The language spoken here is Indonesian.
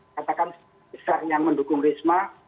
katakan yang mendukung risma